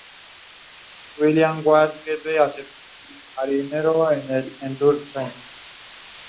William Bakewell fue aceptado como marinero en el "Endurance".